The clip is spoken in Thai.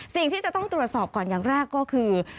สิ่งที่จะต้องตรวจสอบก่อนอย่างแรกก็คือ